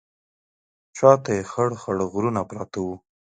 شا ته یې خړ خړ غرونه پراته وو.